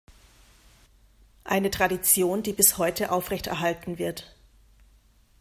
Eine Tradition, die bis heute aufrechterhalten wird.